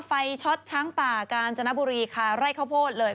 ช็อตช้างป่ากาญจนบุรีคาไร่ข้าวโพดเลย